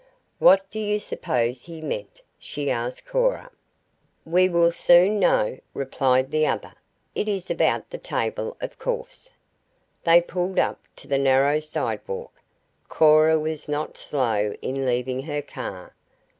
"What do you suppose he meant?" she asked Cora. "We will soon know," replied the other. "It is about the table, of course." They pulled up to the narrow sidewalk. Cora was not slow in leaving her car.